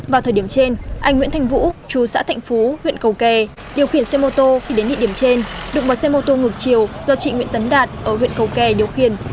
vào thời điểm trên anh nguyễn thanh vũ chú xã thạnh phú huyện cầu kè điều khiển xe mô tô khi đến địa điểm trên đụng bật xe mô tô ngược chiều do chị nguyễn tấn đạt ở huyện cầu kè điều khiển